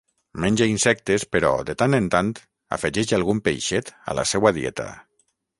Menja insectes però, de tant en tant, afegeix algun peixet a la seua dieta.